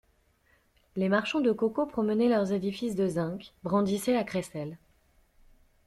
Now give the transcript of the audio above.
Les marchands de coco promenaient leurs édifices de zinc, brandissaient la crécelle.